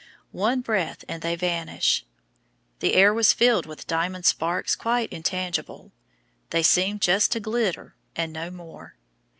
One breath and they vanish. The air was filled with diamond sparks quite intangible. They seemed just glitter and no more.